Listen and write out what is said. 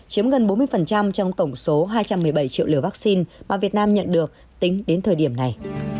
chiếm gần bốn mươi trong tổng số hai trăm một mươi bảy triệu liều vaccine mà việt nam nhận được tính đến thời điểm này